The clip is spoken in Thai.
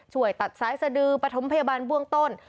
ช่วยตัดสายสดือปฐมพยาบาลเบื้องต้น